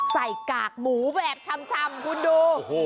กากหมูแบบชำคุณดู